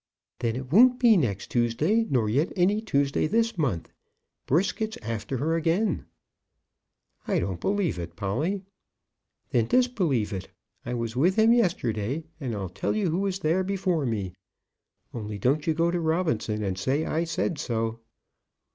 "Then it won't be next Tuesday; nor yet any Tuesday this month. Brisket's after her again." "I don't believe it, Polly." "Then disbelieve it. I was with him yesterday, and I'll tell you who was there before me; only don't you go to Robinson and say I said so."